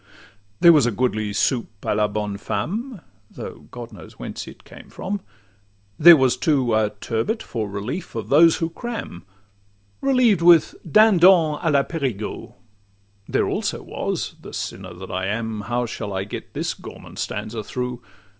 There was a goodly 'soupe a la bonne femme,' Though God knows whence it came from; there was, too, A turbot for relief of those who cram, Relieved with 'dindon a la Parigeux;' There also was—the sinner that I am! How shall I get this gourmand stanza through?